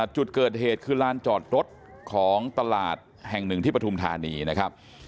จุดเกิดเหตุคือลานจอดรถของตลาดแห่งหนึ่งที่ปฐุมธานีนะครับ